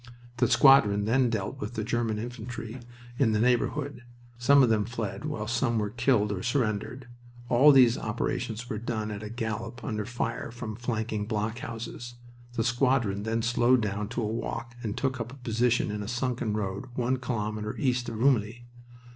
The squadron then dealt with the German infantry in the neighborhood. Some of them fled, while some were killed or surrendered. All these operations were done at a gallop under fire from flanking blockhouses. The squadron then slowed down to a walk and took up a position in a sunken road one kilometer east of Rumilly.